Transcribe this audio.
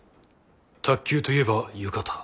卓球といえば浴衣。